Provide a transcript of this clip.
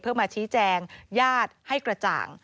เพื่อมาชี้แจงญาติให้กระจ่าง